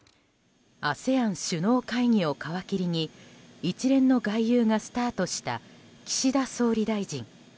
ＡＳＥＡＮ首脳会議を皮切りに一連の外遊がスタートした岸田総理大臣。